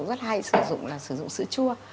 rất hay sử dụng là sử dụng sữa chua